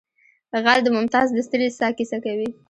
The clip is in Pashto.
غزل د ممتاز د ستړې ساه کیسه کوي